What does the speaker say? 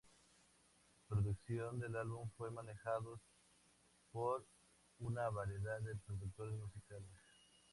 Producción del álbum fue manejados por una variedad de productores musicales.